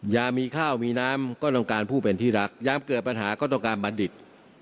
ยามีข้าวมีน้ำก็ต้องการผู้เป็นที่รักยามเกิดปัญหาก็ต้องการบัณฑิต